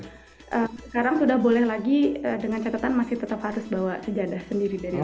sekarang sudah boleh lagi dengan catatan masih tetap harus bawa sejadah sendiri dari